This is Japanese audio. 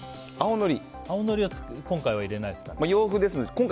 青のりは今回は入れないですか？